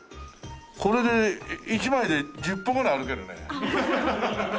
これで１枚で１０歩ぐらい歩けるね。